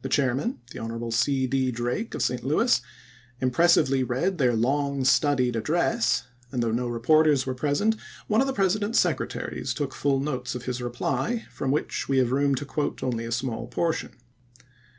The chairman, Hon. C. D. Drake of St. Louis, impressively read their long, studied address, and though no reporters were present, one of the President's secretaries took full notes of his reply, from which we have room to quote only a small portion.